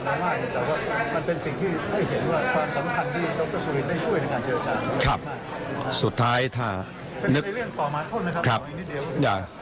แต่ว่ามันเป็นสิ่งที่ให้เห็นว่าความสำคัญที่ดรสุรินทร์ได้ช่วยในการเจรจาครับสุดท้ายถ้าเป็นในเรื่องต่อมาโทษไหมครับครับอีกนิดเดียวอย่า